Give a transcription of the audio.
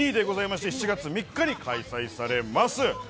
７月３日に開催されます。